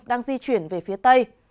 đang di chuyển về phía tây